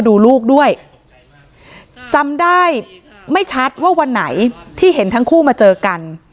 ดูลูกด้วยจำได้ไม่ชัดว่าวันไหนที่เห็นทั้งคู่มาเจอกัน